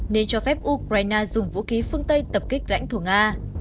nên cho phép ukraine dùng vũ khí phương tây tập kích lãnh thổ nga